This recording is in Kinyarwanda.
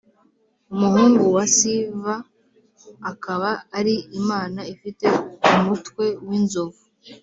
umuhungu wa siva, akaba ari imana ifite umutwe w’inzovu